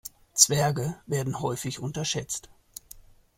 Zwergen werden häufig unterschätzt.